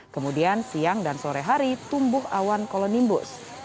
kemudian siang dan sore hari tumbuh awan kolonimbus